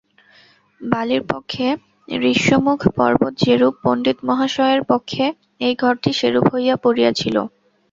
বালীর পক্ষে ঋষ্যমুখ পর্বত যেরূপ, পণ্ডিতমহাশয়ের পক্ষে এই ঘরটি সেরূপ হইয়া পড়িয়াছিল।